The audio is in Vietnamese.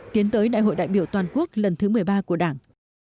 tiến tới đại hội đại biểu toàn quốc lần thứ một mươi ba của đảng